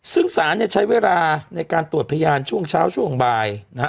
ซึ่งศาลเนี่ยใช้เวลาในการตรวจพยานช่วงเช้าช่วงบ่ายนะฮะ